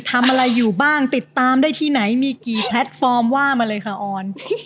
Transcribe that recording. ทำอะไรอยู่บ้างติดตามได้ที่ไหนมีกี่แพลตฟอร์มว่ามาเลยค่ะออน